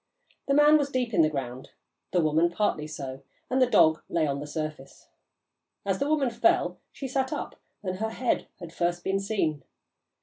The man was deep in the ground, the woman partly so, and the dog lay on the surface. As the woman fell, she sat up, and her head had first been seen.